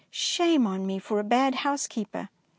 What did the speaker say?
Shame on me for a bad housekeeper